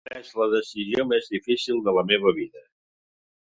He pres la decisió més difícil de la meva vida.